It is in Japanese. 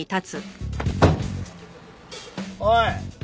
おい！